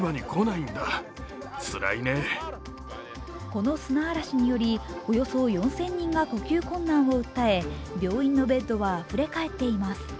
この砂嵐によりおよそ４０００人が呼吸困難を訴え、病院のベッドはあふれかえっています。